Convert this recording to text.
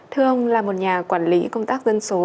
thưa ông là một nhà quản lý công tác dân số